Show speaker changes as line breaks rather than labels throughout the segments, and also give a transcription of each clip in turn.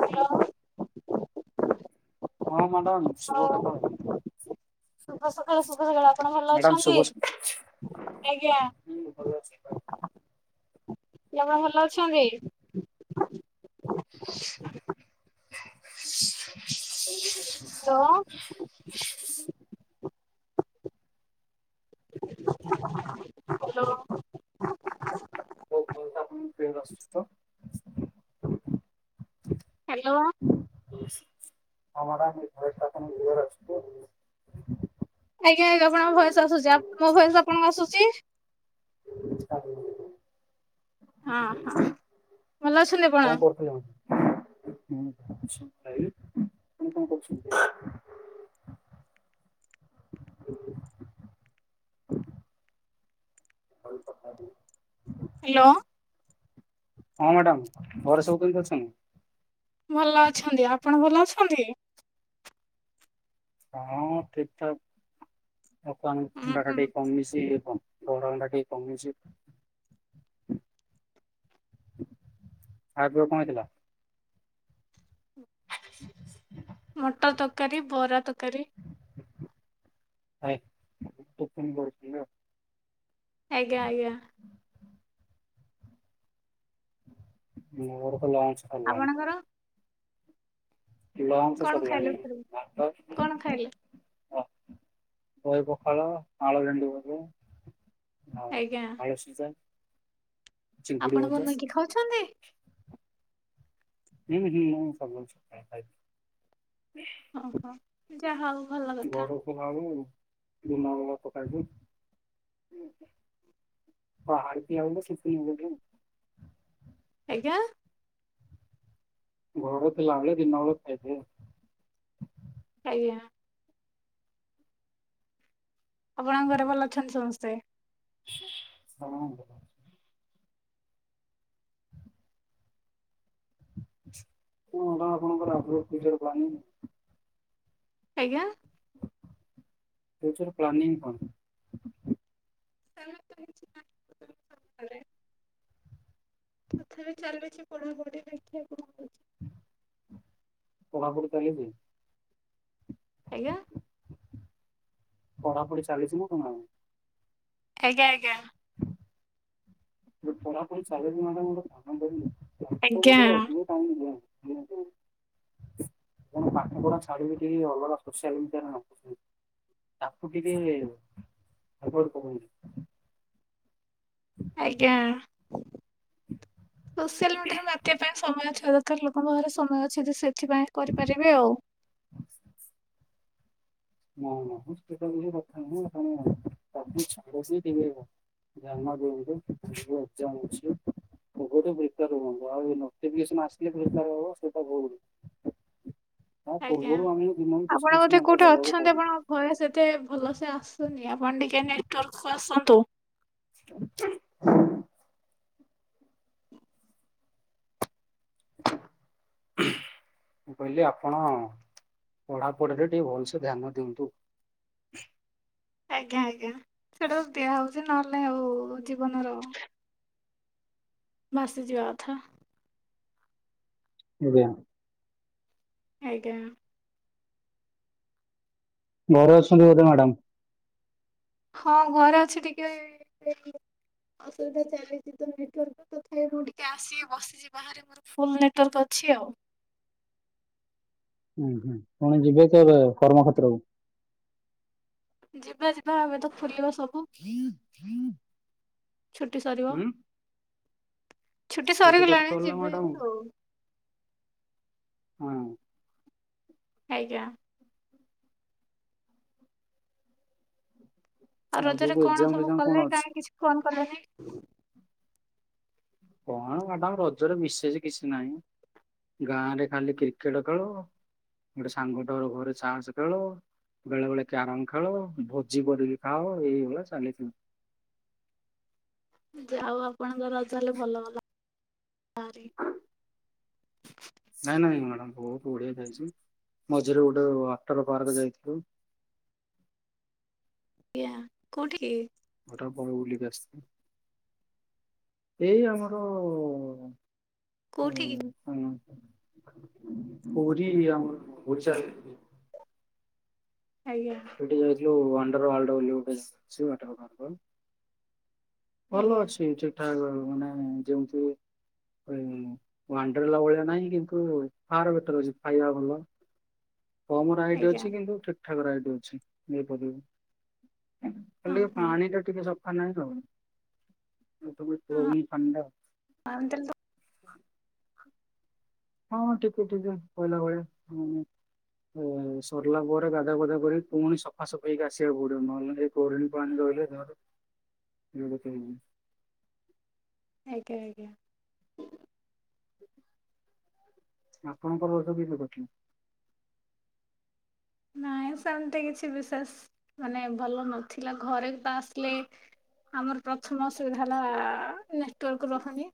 ହ ଲୋ।
ହଁ ମାଡ଼ାାମ୍ ଶୁଭ ସକାଳ।
ହ୍ୟାଲୋ ଶୁଭ ସକାଳ ଶୁଭ ସକାଳ ଆପଣ ଭଲ
ମ୍ୟାଡ଼ାମ ଶୁଭ
ଅଛନ୍ତି?
ସକାଳ ହୁଁ ଭଲ ଅଛି ଭ
ଦେହ ପା ଭଲ ଅଛନ୍ତି?
[unintelligible]
ହାଲୋ।
ଓ ଭଲ୍ ତା ଆପଣଙ୍କୁ କ୍ଲିଅର ଆସୁଚି ତ?
ହ୍ୟାଲୋ
ହଁ ମାଡ଼ାମ୍ ମୋ ଭଏସ୍ ଟା ଆପଣଙ୍କୁ କ୍ଲିଅର ଆସୁଚି ତ?
ଆଜ୍ଞା ଆପଣଙ୍କ ଭଏସ୍ ଆସୁଚି ଆପ ମୋ ଭଏସ୍ ଆପଣଙ୍କୁ ଆସୁଚି?
ମୁଁ ଛାଡ଼ିଥିଲି।
ହଁ ହଁ ଭଲ ଅଛନ୍ତି
କଣ
ଆପଣ?
ଆପଣ କଣ କରୁଛନ୍ତି? ଆଗରୁ କଥା ହେଇଥିଲେ?
ହାଲୋ।
ହଁ ମାଡ଼ାାମ ଘରେ ସବୁ କେମିତି ଅଛନ୍ତି?
ଭଲ ଅଛନ୍ତି। ଆପଣ ଭଲ ଅଛନ୍ତି?
ହଁ ଠିକ୍ ଠାକ୍ ବ୍ରତ ମାନ୍
ହୁଁ
ପିଣ୍ଡାଟା
ହୁଁ
ଟିକିଏ କମିଚି ଇଏ କଣ ଗୋଡ଼ ବିନ୍ଧା ଟିକିଏ କମିଚି। ଆଗେ କଣ ହେଲା?
ମଟର ତରକାରୀ ବରା ତରକାରୀ।
ହାଏ ଟିଫିନି୍ କରି ଦେବି ଆଉ।
ଆଜ୍ଞା ଆଜ୍ଞା।
ମୋ ଘରଖେଲା ଅଛି।
ଆପଣଙ୍କର?
ଲଞ୍ଚ
କଣ ଖାଇଲେ
ସରିଲାଣି।
ଫେରେ କଣ ଖାଇଲେ?
ଓ ଦହି ପଖାଳ ଆଳୁ ଭେଣ୍ଡି ଭଜା। ହଁ
ଆଜ୍ଞା
ଆଳୁସିଜା।
ଆପଣ କଣ ନେଇକି ଖାଉଛନ୍ତି?
ଉଁ ହୁଁ ମୁଁ ସବୁ ଖାଉଚି।
ଓହୋ ଯାହା ହଉ ଭଲ କଥା।
ଏବାବୁ ଦିନ ବେଳା ପକାଇବୁ। ବାହାରିକି ଅଇଲେ ଶିପିମୁଧୁମ।
ଆଜ୍ଞା।
ଘର ଥିଲାବେଳେ ଦିନବେଳେ ଖାଇଦିଏ ଆଉ।
ଆଜ୍ଞା। ଆପଣଙ୍କ ଘରେ ଭଲ ଅଛନ୍ତି ସମସ୍ତେ?
ହଁ। ହଁ କଣ ଆପଣଙ୍କର [unintelligible] ପିରିୟଡ୍ [unintelligible]
ଆଜ୍ଞା।
ଫିଉଚର୍ ପ୍ଲାନିଂ କଣ।
[inaudible] ନାହିଁ ତଥାପି ଚାଲଛି ପଢାପଢି ଦେଖିଆ କଣ ହଉଛି।
ପଢାପଢି ଚାଲିଚି?
ଆଜ୍ଞା।
ପଢାପଢି ଚାଲିଛି ନା କଣ ଆଉ?
ଆଜ୍ଞା, ଆଜ୍ଞା।
ଯେ ଖରାପ ହୋଇ ସାରିଲେଣି [unintelligible] ତାଙ୍କ କୁ
ଆଜ୍ଞା
ଟିକିଏ ଅଧିକ ଟାଇମ୍ [unintelligible] କଣ ପାଠ ପଢା ଛାଡିକି କେହି ଅଲଗା ସୋସିଆଲ୍ ମିଡିଆରେ ମାତୁଛନ୍ତି। ତାକୁ ଟିକେ ଆଭୋଏଡ୍ କରୁଛନ୍ତି।
ଆଜ୍ଞା, ସୋସିଆଲ୍ ମିଡିଆରେ ମାତିବା ପାଇଁ ସମୟ [unintelligible] କାର ଲୋକଙ୍କ ଘରେ ସମୟ ଅଛି ଯେ ସେଥିପାଇଁ କରିପାରିବେ ଆଉ।
[inaudible] ନା, ନା ହଁ ସେଟା ନୁହେଁ କଥା [unintelligible] ଧ୍ୟାନ ଦିଅନ୍ତୁ [unintelligible] ଏକ୍ଜାମ୍ ଅଛି। ଏବେଠୁ ପ୍ରିପିୟାର୍ ହୁଅନ୍ତୁ, ଆଉ ନୋଟିଫିକେସନ୍ ଆସିଲେ ତ ପ୍ରିପିୟାର୍ ହବ ସେଟା ଭୁଲୁ।
ଆଜ୍ଞା,
ଦିନକୁ କିଛି
ଆପଣ
କିଛି
ବୋଧେ
ଘଣ୍ଟା
କୋଉଠି ଅଛ
ଦେବାକୁ
ଛନ୍ତି
ପଡିବ
ଆପଣଙ୍କ ଭଏସ୍ ଏତେ ଭଲସେ ଆସୁନି, ଆପଣ ଟିକେ ନେଟୱାର୍କକୁୁ ଆସନ୍ତୁ।
[inaudible] ମୁଁ କହିଲି ଆପଣ ପଢାପଢିରେ ଟିକେ ଭଲସେ ଧ୍ୟାନ ଦିଅନ୍ତୁ।
ଆଜ୍ଞା, ଆଜ୍ଞା ସେଟା ଦିଆ ହଉଛି, ନହେଲେ ଆଉ ଜୀବନର ଭାସିଯିବା କଥା।
ଆଜ୍ଞା।
ଆଜ୍ଞା।
ଘରେ ଅଛନ୍ତି ବୋଧେ ମ୍ୟାଡ଼ାମ୍?
ହଁ ଘରେ ଅଛି ଟିକେ [inaudible] ଅସୁବିଧା ଚାଲିଛି ତ ନେଟୱାର୍କ [unintelligible] ତଥାପି ମୁଁ ଟିକେ ଆସିକି ବସିଛି ବାହା ଆରେ ମୋର ଫୁଲ୍ ନେଟୱାର୍କ ଅଛି ଆଉ।
ଅଁ, ହଁ ପୁଣି ଯିବେ କେବେ କର୍ମକ୍ଷେତ୍ରକୁ?
ଯିବା ଯିବା ଆମେ ତ ଫୁଲିବା ସବୁ।
ହଁ ହଁ
ଛୁଟି ସରିବ। ଛୁଟି
ତ
ସରିଗଲାଣି
ସରିଲା
ଯିବି
ମ୍ୟାଡାମ
ଏବେ ଆଉ।
ହଁ।
ଆଜ୍ଞା। ଆଉ ରଜରେ
ଆଗକୁ
କଣ
ଏକ୍ଜାମ
ସବୁ
ଫେକ୍ଜାମ କଣ
କଲେ
ଅଛି?
କାହିଁ କିଛି ଫୋନ୍ କଲେନି?
କଣ ମାଡାମ୍ ରଜରେ ବିଶେଷ କିଛି ନାହିଁ। ଗାଁରେ ଖାଲି କ୍ରିକେଟ୍ ଖେଳ। ଗୋଟେ ସାଙ୍ଗଟେ ଘରେ ଚାସ୍ ଖେଳ। ବେଳେ ବେଳେ କ୍ୟାରମ ଖେଳ ଭୋଜି କରିକି ଖାଅ ଏଇଭଳିଆ ଚାଲିଥିବ
ଯେ ଆଉ ଆପଣଙ୍କ ରଜା ହେଲେ ଭଲ ଗଲାରି
ନାଇଁ ନାଇଁ ମ୍ୟାଡାମ ବହୁତ ବଡିିଆ ଯାଇଛି ମଝିରେ ଗୋଟେ ଅଟର ପାର୍କ ଯାଇଥିଲୁ
ଆଜ୍ଞା କୋଉଠିକି
ହଟା ବ ଗୁଲିିକସି ଏଇ ଆମର
କୋଉଠିକି?
ହ ପରି ଆମଚାର [unintelligible]
ଆଜ୍ଞା
ପୁରୀ ଯାଇଥିଲୁ ଅଣ୍ଡରୱର୍ଲ୍ଡ ବୋଲି [unintelligible] ଭଲ
ଆଜ୍ଞା
ଅଛି ଠିକ ଠାକ ମାନେ ଯେମିତି ୱଣ୍ଡର୍ ହେଲା ଭଳିଆ ନାହିଁ କିନ୍ତୁ [unintelligible] ଟର ଅଛି ଖାଇବା ଭଲ
[inaudible]
କମ ର ଆଇଡି
ଆଜ୍ଞା
ଅଛି କିନ୍ତୁ ଠିକ୍ ଠାକ୍ ର ଆଇଡି ଅଛି ନେଇପାରିବ
ହଁ
କାଲି ଟିକେ
ହଁ
ପାଣି ଟା ଟିକେ ସଫା ନାହିଁ ତବ [unintelligible] ପାଣ୍ଡା
ଆଁ ଏମିତିରେ ତ
ହଁ ଠିକେ ଟିକେ କହିଲା ଭଳିଆ ସରିଲା ପରେ ଗାଧା ଗୁଧା କରି ପୁଣି ସଫା ସଫେଇକି ଆସିବାକୁ ପଡିବ ନହେଲେ ଏ ଗୋରିଣୀ ପାଣି ରହିଲେ ଧ
[inaudible]
ଏଁ କେ [unintelligible]
ଆଜ୍ଞା ଆଜ୍ଞା
ଆପଣଙ୍କର ରୋଜ କେବେ କରିଛନ୍ତି
ନାଇଁ ସେମିତି କିଛି ବିଶେଷ ମାନେ ଭଲ ନଥିଲା ଘରେ ତ ଆସିଲେ ଆମର ପ୍ରଥମ ଅସୁବିଧା ହେଲା ନେଟୱାର୍କ ରହୁନି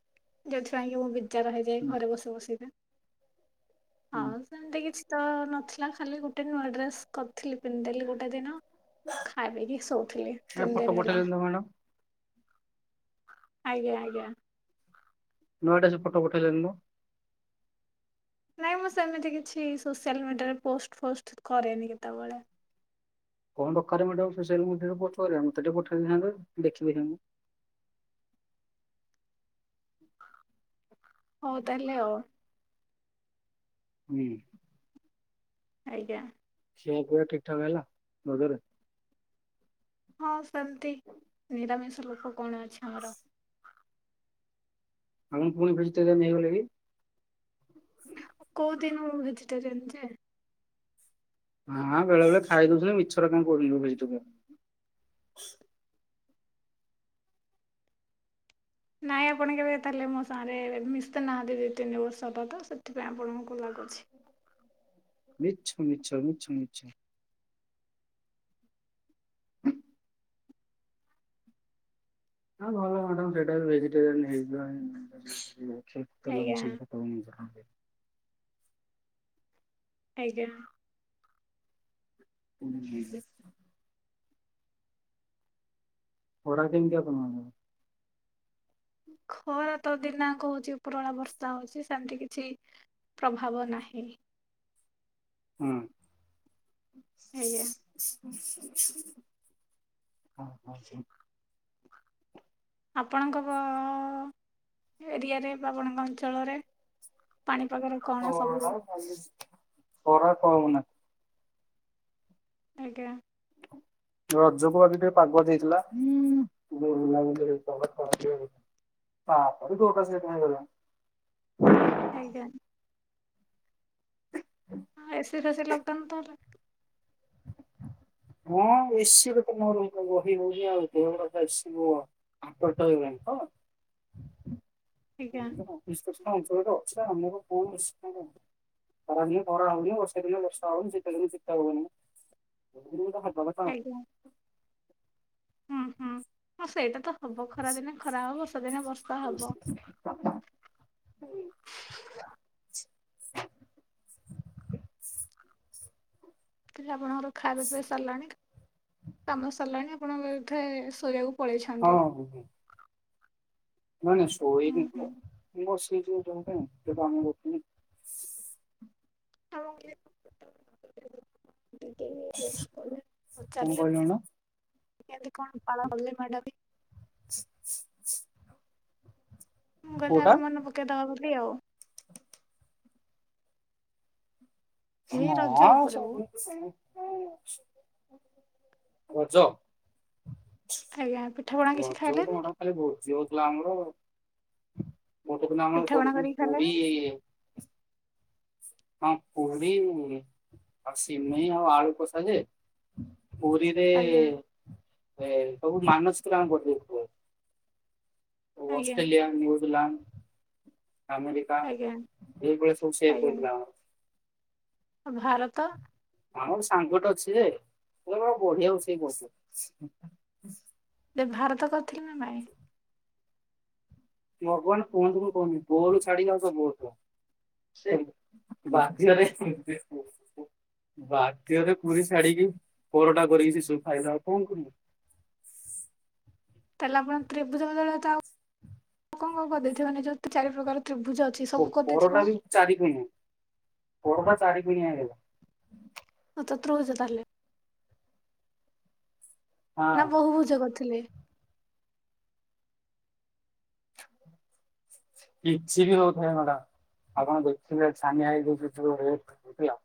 ଯେଉଁଥିପାଇଁ କି ମୁଁ ବି ବିଚାର ହେଇଯାଏ
ହୁଁ
ଘରେ ବସି ବସିବେ
ହୁଁ
ହଉ ସେମିତି କିଛି ତ ନଥିଲା ଖାଲି ଗୋଟେ ଟିନ୍ ନୂଆଁ ଡ୍ରେସ୍ କରିଥିଲି ପିନ୍ଧଲି ଗୋଟେ ଦିନ ଖାଇବ କିି ଶୋଉଥିଲି
ଏ
ତିନି
ଫଟୋ
ଦିନ ହେଲା
ପଠେଇଲେନି ତ ମ୍ୟାଡାମ
ଆଜ୍ଞ ଆଜ୍ଞା
ନୂଆଟା ସେ ଫଟ ପଠେଇଦେଲୁନୁ ମୁଁ
ନାଇଁ ମୁଁ ସେମିତି କିଛି ସୋସିଆଲ୍ ମିଡ଼ିଆରେ ପୋଷ୍ଟ ଫୋଷ୍ଟ କରେନି କେତେବେଳେ
କଣ ଦରକାର ମ୍ୟାଡାମ ସୋଆଲ ମିଡିଆରେ ପୋଷ୍ଟ କରିବା ମତେ ଟିକେ ପଠେଇଥାନ୍ତେ ଦେଖିଦେଇଥାନ୍ତୁ
ହଉ ତାହେଲେ ଆଉ
ହୁଁ
ଆଜ୍ଞା
ସେ ପୁରା ଠିକଠାକା ହେଲା ବଗର
ହଁ ସେମିତି ନିରାମିଷ ଲୋକ କଣ ଅଛି ଆମର
ଆପଣ ପୁଣି ଫ୍ [unintelligible] ଇଗଲେ କି
କୋଉ ଦିନୁ ଭେଜିଟୋରଆନ ଯେ।
ହଁ ବେଳେ ବେଳେ ଖାଇ ଦଉଛନ୍ତି ମିଛରେ କାଇଁ କହୁଛନ୍ତି ଭେଜିଟେରିଆନ।
ନାଇ ଆପଣ କେବେ ତାହେଲେ ମୋ ସାଙ୍ଗରେ ମିଶ ନାହାଁନ୍ତି ଦୁଇ ତିନି ବର୍ଷ ହେଲା ତ ସେଥିପାଇଁ ଆପଣଙ୍କୁ ଲାଗୁଛି।
ମିଛ ମିଛ ମିଛ ମିଛ। ହ ଘରେ ମାଡାମ ଟୋଟାଲ ଭେଜିଟେରିଆନ
ଆଜ୍ଞା
[unintelligible] [unintelligible]
ଆଜ୍ଞା।
[inaudible] ଖରା କେମିତି ଆପଣଙ୍କର।
ଖରା ତ ଦିନ ଯାକ ହଉଛି ଉପରଳା ବର୍ଷା ହଉଛି ସେମତି କିଛି [unintelligible]
ହୁଁ।
ଆଜ୍ଞା।
ହଁ ହଁ।
ଆପଣଙ୍କ ବ ଅ ଏରିଆରେ ବା ଆପଣଙ୍କ ଅଞ୍ଚଳରେ ପାଣିପାଗର କଣ ସବୁ
ଖରା ତ ହଉନାହିଁ।
ଆଜ୍ଞା।
ରଜ ପରି ଟିକେ ପାଗ ଦେଇଥିଲା ବୁଲାବୁଲି ଟିକେ କରିବୁ। ହଁ [unintelligible]
ଆଜ୍ଞା।
[inaudible]
ସେଇଟା ସେ ଲକ୍ ଡାଉନ୍ ତ
ହଁ ଏସିି [unintelligible] [unintelligible] [inaudible]
ଠିକ୍ ହେ।
[unintelligible] ଖରା ଦିନେ ଖରା ହଉନି ବର୍ଷା ଦିନେ ବର୍ଷା ହଉନି ଶୀତ ଦିନେ ଶୀତ ହଉନି। କଥା
ଆଜ୍ଞା। ହୁଁ ହୁଁଁ ସେଇଟା ତ ହବ ଖରାଦିନେ ଖରା ହବ ବର୍ଷା ଦିନେ ବର୍ଷା ହବ।
[inaudible]
[inaudible] କିରେ ଆପଣଙ୍କର ଖାଇବା ପିଇବା ସାରିଲାଣି କାମ ସାରିଲାଣି ଆପଣ ବୋଧେ ଶୋଇବାକୁ ପଳେଇଛନ୍ତି।
ହୁଁ ହୁଁ। ନାଁଇ ନାଁଇ
ହୁଁ
ଶୋଇନି
ହୁଁ
ତ ବସିଛି [unintelligible]
[unintelligible]
କଣ
ଚାଲି
କହିଲୁ ନା
କେମିତି କଣ [unintelligible]
[inaudible]
ମୁଁ କହିଲି ତ
କୋଉଟା
ଆମେ ମନ ପକେଇଦବା [unintelligible] ଏଇ ରଜ ଉପରେ ମ।
ହଁ [unintelligible]
ଆଜ୍ଞା ପିଠାପଣା କିଛି
ରଜ କୁ କଣ
ଖାଇଲେନି
ଆମର ଖାଲି ଭୋଜି ହଉଥିଲା ଆମର ଆଉ। ଗୋଟେ ଦିନ ଆମର
ପିଠାପଣା କରିକି
ପୁରୀ
ଖାଇଲେନି
ହଁ ପୁରୀ ଆଉ ସିମେଇ ଆଉ ଆଳୁ କସା ଯେ ପୁରୀରେ
ଆଜ୍ଞା
ଏ ସବୁ ମାନସିକ [unintelligible]
ଆଜ୍ଞା
ଅଷ୍ଟ୍ରେଲିଆ ନ୍ୟୁଜଲାଣ୍ଡ। ଆମେରିକା
ଆଜ୍ଞା
ଏଇଭଳି ସବୁ ସେ
ଆଜ୍ଞା
[unintelligible]
ଭାରତ।
ଆମର ସାଙ୍ଗଟେ ଅଛି ଯେ ସେ ବଢିଆ ରୋଷେଇ କରୁଛି।
ଯେ ଭାରତ କରିଥିଲି ନା ଭାଇ।
ଭଗବାନ କୁହନ୍ତୁ ମୁଁ କହୁନି ବୋରୁ ଛାଡିକି ଆଉ ସବୁ ହେଉଥିବ ବାଧ୍ୟ ରେ ବାଧ୍ୟରେ ପୁରି ଛାଡିକି ପରଟା କରିକି ସେ ସବୁ ଖାଇଲୁ ଆଉ କଣ କରିବୁ।
ତାହେଲେ ଆପଣ ତ୍ରିଭୁଜ ବଦଳ ତ ଆଉ କଣ କଣ କରିଦେଇଥିବନି ଯୋଉଁ ଚାରି ପ୍ରକାର ତ୍ରିଭୁଜ ଅ
ପରଟା ବି ଚାରି କଣିଆ ପରଟା ଚାରି କଣିଆ ହେଇଗଲା।
[unintelligible] ଚତୃରଭୁଜ ତାହାଲେ। ନା
ହଁ।
କୋଉଁ ଭୁଜ କରିଥିଲେ?
କିଛି ବି ହଉଥାଏ ମ୍ୟାଡାମ ଆପଣ ଦେଖିବେ [unintelligible]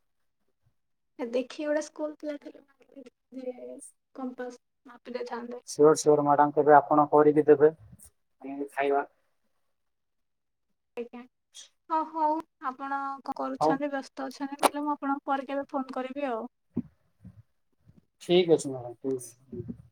ଦେଖି ଗୋଟେ ସ୍କୁଲ ଥିଲା [unintelligible]
ସିଆଡ଼େ ମ୍ୟାଡ଼ାମ କେବେ ଆପଣ କରିକି ଦେବେ ଖାଇବା।
ଆଜ୍ଞା ହଁ ହଉ ଆପଣ
ହଉ
କରୁଛନ୍ତି ବ୍ୟସ୍ତ ତ ଅଛନ୍ତି ନହେଲେ ମୁଁ ଆପଣଙ୍କୁ ପରେ କେବେ ଫୋନ କରିବି ଆଉ।
ଠିକ୍ ଅଛି ମ୍ୟାଡ଼ାମ। [unintelligible]